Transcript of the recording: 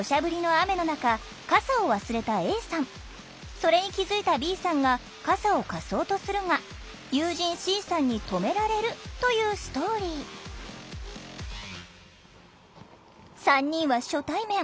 それに気付いたＢさんが傘を貸そうとするが友人Ｃさんに止められるというストーリー３人は初対面。